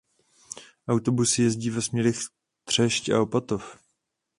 Autobusy jezdí ve směrech Třešť a Opatov.